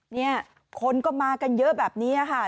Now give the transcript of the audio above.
เนี่ยคนก็มากันเยอะแบบนี้ค่ะ